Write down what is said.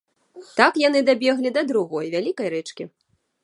Так яны дабеглі да другой, вялікай рэчкі.